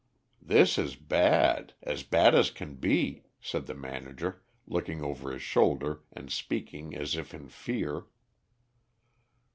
"This is bad; as bad as can be," said the manager, looking over his shoulder, and speaking as if in fear.